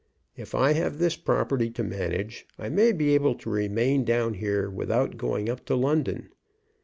If I have this property to manage, I may be able to remain down here without going up to London.